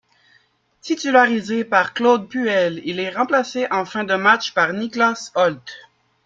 Titularisé par Claude Puel, il est remplacé en fin de match par Niklas Hult.